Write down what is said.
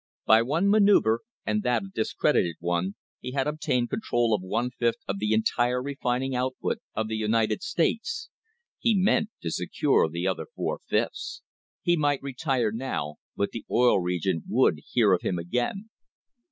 By one manoeuvre, and that a discredited one, he had obtained control of one fifth of the entire refining output of the United States. He meant to secure the other four fifths. He might retire now, but the Oil Region would hear of him again.